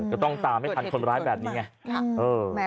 จะต้องตามให้พันคนร้ายแบบนี้ไงค่ะเออ